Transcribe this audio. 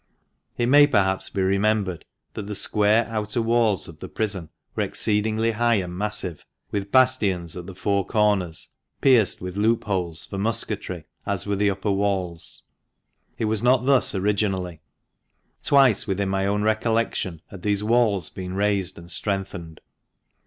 It may, perhaps, be remembered that the square outer walls of the prison were exceedingly high and massive, with bastions at the four corners, pierced with loop holes for musketry, as were the upper walls. It was not thus originally. Twice within my own recollection had those walls been raised and strengthened.